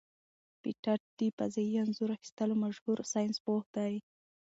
پېټټ د فضايي انځور اخیستلو مشهور ساینسپوه دی.